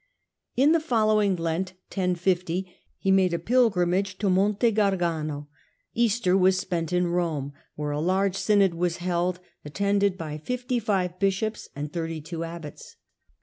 In the following Synod in Lent he made a pilgrimacfe to Monte Gargano. Bercngar'8 lijaster was Spent in Rome, where a large demned "' synod was held, attended by fifty five bishops and thirty two abbots.